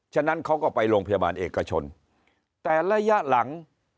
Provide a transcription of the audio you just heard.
ฉะนั้นเขาก็ไปโรงพยาบาลเอกชนแต่ระยะหลัง